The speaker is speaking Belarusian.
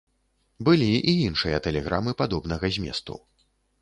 Былі і іншыя тэлеграмы падобнага зместу.